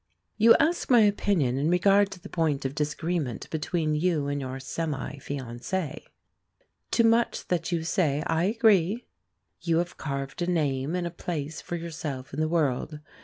You ask my opinion in regard to the point of disagreement between you and your semi fiancé. To much that you say I agree. You have carved a name and a place for yourself in the world.